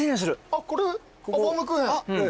あっバウムクーヘン。